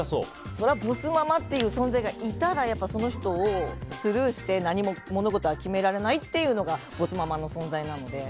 そりゃボスママっていう存在がいたらその人をスルーして何も物事は決められないっていうのがボスママの存在なので。